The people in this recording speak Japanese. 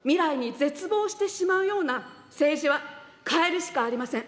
未来を担う若者が、未来に絶望してしまうような政治は変えるしかありません。